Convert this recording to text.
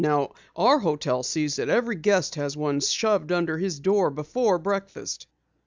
Now our hotel sees that every guest has one shoved under his door before breakfast."